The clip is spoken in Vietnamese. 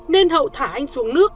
nên hậu thả anh xuống nước